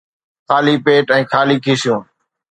خالي پيٽ ۽ خالي کيسيون